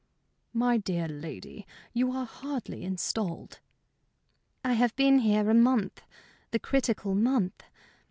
"My dear lady, you are hardly installed." "I have been here a month the critical month.